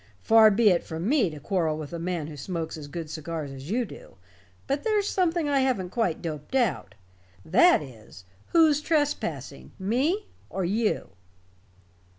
"Far be it from me to quarrel with a man who smokes as good cigars as you do but there's something I haven't quite doped out. That is who's trespassing, me or you?"